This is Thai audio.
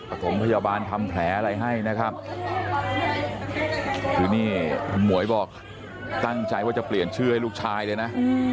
ประสงค์พยาบาลทำแผลอะไรให้นะครับหมวยบอกตั้งใจว่าจะเปลี่ยนชื่อให้ลูกชายเลยนะ